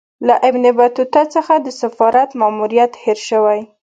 له ابن بطوطه څخه د سفارت ماموریت هېر سوی.